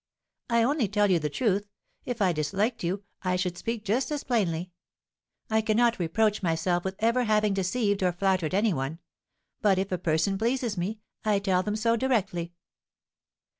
"I only tell you the truth; if I disliked you, I should speak just as plainly. I cannot reproach myself with ever having deceived or flattered any one; but, if a person pleases me, I tell them so directly."